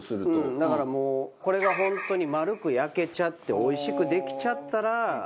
だからもうこれが本当に丸く焼けちゃっておいしくできちゃったら。